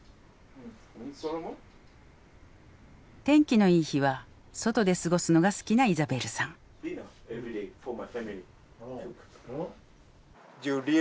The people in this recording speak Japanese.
天気のいい日は外で過ごすのが好きなイザベルさん。